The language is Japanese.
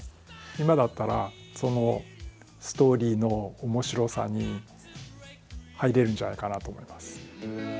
今だったらそのストーリーのおもしろさに入れるんじゃないかと思います。